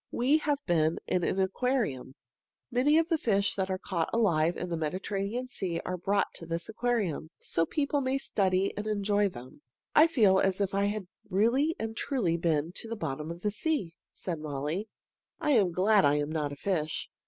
"We have been in an aquarium. Many of the fish that are caught alive in the Mediterranean Sea are brought to this aquarium, so people may study and enjoy them." "I feel as if I had really and truly been to the bottom of the sea," said Molly. "I am glad I am not a fish.